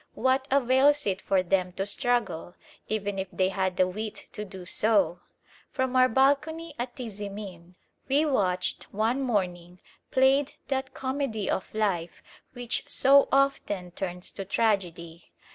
What avails it for them to struggle, even if they had the wit to do so? From our balcony at Tizimin we watched one morning played that comedy of life which so often turns to tragedy.